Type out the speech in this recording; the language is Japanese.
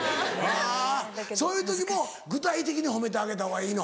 そういう時も具体的に褒めてあげたほうがいいの？